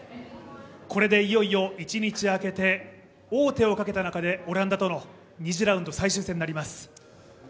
これでいよいよ１日空けて王手をかけた中でオランダとの２次ラウンド最終戦になります。